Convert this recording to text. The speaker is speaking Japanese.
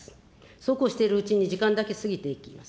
そうこうしているうちに時間だけ過ぎていきます。